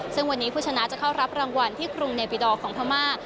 ซึ่งวันนี้ผู้ชนะจะเข้ารับรางวัลที่กรุงเนบิดอร์ของพม่า